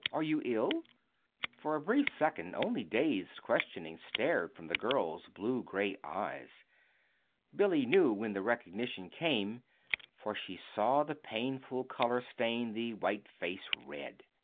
Are you ill?" For a brief second only dazed questioning stared from the girl's blue gray eyes. Billy knew when the recognition came, for she saw the painful color stain the white face red.